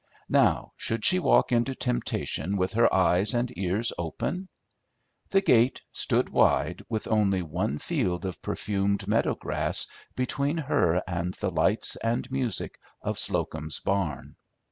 Now should she walk into temptation with her eyes and ears open? The gate stood wide, with only one field of perfumed meadow grass between her and the lights and music of Slocum's barn.